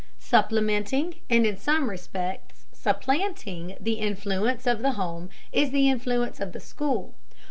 Supplementing, and in some respects supplanting, the influence of the home is the influence of the school.